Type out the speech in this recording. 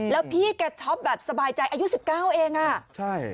แล้วพี่แกช้อแบบสบายใจอายุสิบเก้าเองอ่ะใช่